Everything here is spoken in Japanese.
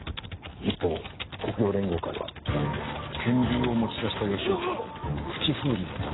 一方黒洋連合会は拳銃を持ち出した吉岡を口封じのために。